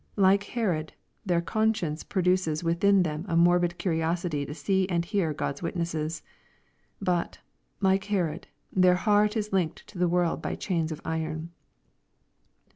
Like Herod, their conscience produces within them a morbid curiosity to see and hear God's witnesses. But, like Herod, their heart is linked to the world by chains of iron.